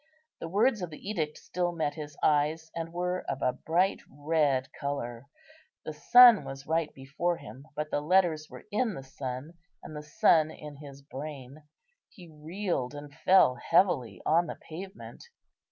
The words of the edict still met his eyes, and were of a bright red colour. The sun was right before him, but the letters were in the sun, and the sun in his brain. He reeled and fell heavily on the pavement.